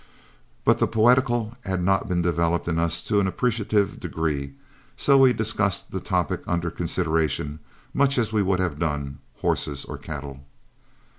But the poetical had not been developed in us to an appreciative degree, so we discussed the topic under consideration much as we would have done horses or cattle.